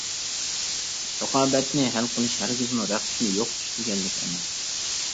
رىقابەتنى ھەل قىلىش ھەرگىزمۇ رەقىبىنى يوقىتىش دېگەنلىك ئەمەس.